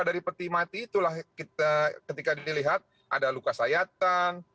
dari peti mati itulah ketika dilihat ada luka sayatan